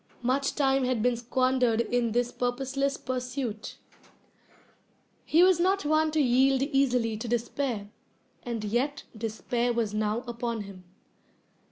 Much time had been squandered in this purposeless pursuit. He was not one to yield easily to despair; and yet despair was now upon him.